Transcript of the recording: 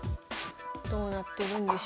どうなってるんでしょうか。